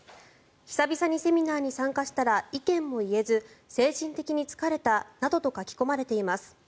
久々にセミナーに参加したら意見も言えず精神的に疲れたなどと書き込まれています。